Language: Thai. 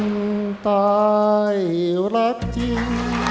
ตายรักจริง